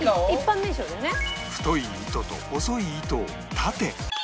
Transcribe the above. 太い糸と細い糸を縦